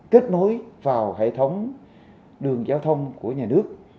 kết nối vào hệ thống đường giao thông của nhà nước